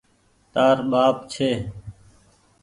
تآر ٻآپ ڇي۔